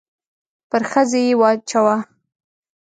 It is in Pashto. پر ښځې يې واچاوه.